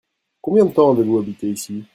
Combien de temps avez-vous habité ici ?